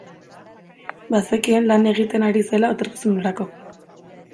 Bazekien lan egiten ari zela etorkizunerako.